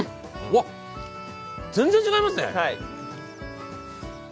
わっ、全然違いますね。